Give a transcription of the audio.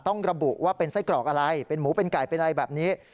ต้องระบุว่าเป็นไส้กรอกอะไรเป็นหมูเป็นไก่เป็นอะไรแบบนี้